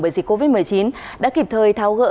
bởi dịch covid một mươi chín đã kịp thời tháo gỡ